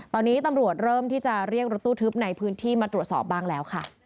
ตอนนี้ตำรวจเริ่มที่จะเรียกรถตู้ทึบในพื้นที่มาตรวจสอบบ้างแล้วค่ะ